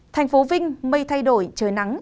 thành phố vinh mây thay đổi trời nắng